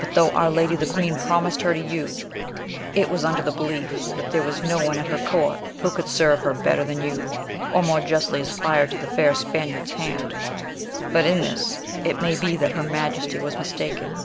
But though our lady the queen promised her to you, it was under the belief that there was no one at her court who could serve her better than you, or more justly aspire to the fair Spaniard's hand; but in this it may be that her majesty was mistaken.